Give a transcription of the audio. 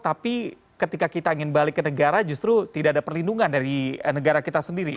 tapi ketika kita ingin balik ke negara justru tidak ada perlindungan dari negara kita sendiri